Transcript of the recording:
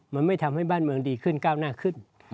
มันไม่ทำให้บ้านเมืองดีขึ้นก้าวหน้าขึ้น